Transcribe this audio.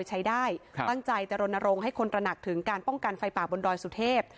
ว่าเอาไปใช้ได้ค่ะตั้งใจแต่รณรงค์ให้คนตระหนักถึงการป้องกันไฟป่าบนดอยสุเทพฯ